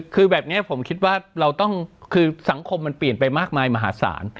คือแบบนี้ผมคิดว่าเราต้องคือสังคมมันเปลี่ยนไปมากมายมหาศาล